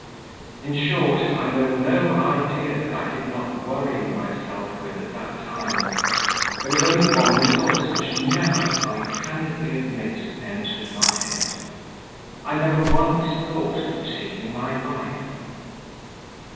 In short, I know no idea that I did not worry myself with at that time. There was only one resource which never, I candidly admit, entered my head: I never once thought of taking my life.